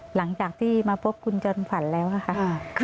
หลังจากที่มาพบคุณจอมขวัญแล้วค่ะ